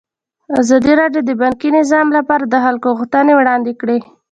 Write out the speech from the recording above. ازادي راډیو د بانکي نظام لپاره د خلکو غوښتنې وړاندې کړي.